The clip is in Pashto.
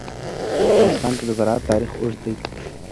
په افغانستان کې د زراعت تاریخ اوږد دی.